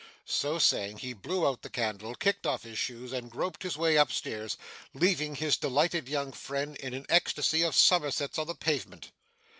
So saying, he blew out the candle, kicked off his shoes, and groped his way up stairs; leaving his delighted young friend in an ecstasy of summersets on the pavement.